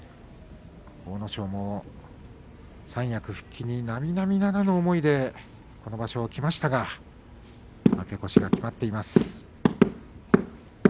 阿武咲も三役復帰になみなみならぬ思いで今場所に入りましたが負け越しが決まっています。